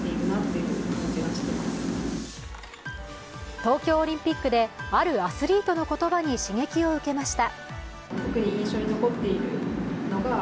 東京オリンピックであるアスリートの言葉に刺激を受けました。